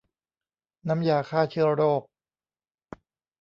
น้ำยาฆ่าเชื้อโรค